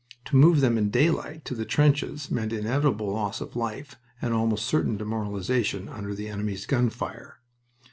To move them in daylight to the trenches meant inevitable loss of life and almost certain demoralization under the enemy's gun fire.